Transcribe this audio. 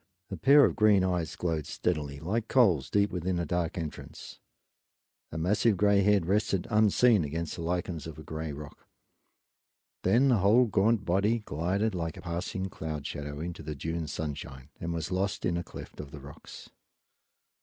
A pair of green eyes glowed steadily like coals deep within the dark entrance; a massive gray head rested unseen against the lichens of a gray rock; then the whole gaunt body glided like a passing cloud shadow into the June sunshine and was lost in a cleft of the rocks.